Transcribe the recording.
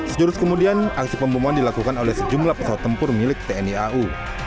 sejurus kemudian aksi pemboman dilakukan oleh sejumlah pesawat tempur milik tni au